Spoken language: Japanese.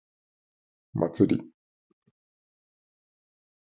祭り